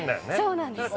そうなんです